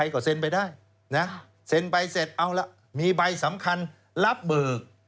ก็เซ็นไปได้นะเซ็นใบเสร็จเอาละมีใบสำคัญรับเบิก